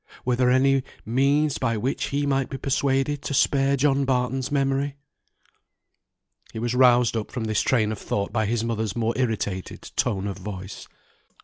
Were there any means by which he might be persuaded to spare John Barton's memory? He was roused up from this train of thought by his mother's more irritated tone of voice.